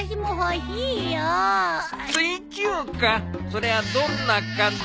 そりゃどんな蚊だ。